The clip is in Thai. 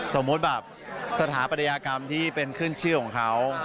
สมมุติแบบสถาปัตยกรรมที่เป็นขึ้นชื่อของเขา